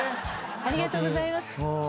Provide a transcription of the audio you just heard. ありがとうございます。